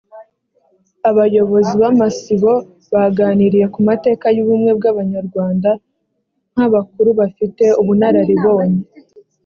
abayobozi b’amasibo baganiriye ku mateka y ubumwe bw abanyarwanda nk abakuru bafite ubunararibonye